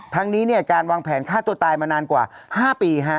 ทั้งนี้การวางแผนฆ่าตัวตายมานานกว่า๕ปี